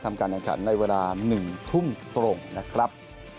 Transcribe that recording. การแข่งขันในเวลา๑ทุ่มตรงนะครับ